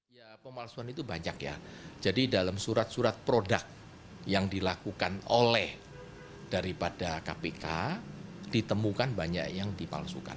ya pemalsuan itu banyak ya jadi dalam surat surat produk yang dilakukan oleh daripada kpk ditemukan banyak yang dipalsukan